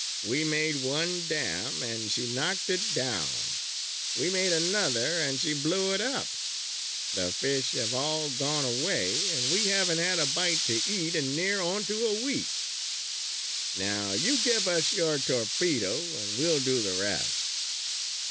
We made one dam and she knocked it down. We made another and she blew it up. The fish have all gone away and we haven't had a bite to eat in near onto a week. Now you give us your torpedo and we'll do the rest!"